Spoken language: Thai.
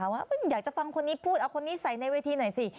ว่าอยากจะฟังคนนี้พูดเอาคนนี้ใส่ในเวทีหน่อยสิ